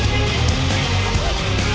tiga dua satu